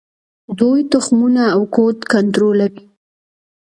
دوی تخمونه او کود کنټرولوي.